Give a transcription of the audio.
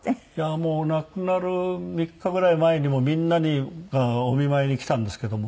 もう亡くなる３日ぐらい前にもみんながお見舞いに来たんですけども。